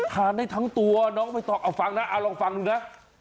ทานได้ทั้งตัวน้องไม่ต้องเอาฟังนะเอาลองฟังดูนะ